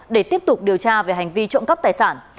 để tiếp tục điều tra về hành vi trộm cắp tài sản